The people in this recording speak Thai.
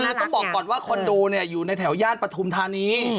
คือต้องบอกก่อนว่าคอนโดเนี่ยอยู่ในแถวย่านปฐุมธานี